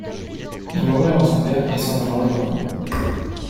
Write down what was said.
Il mourut avant son père, et sans avoir eu d'enfant.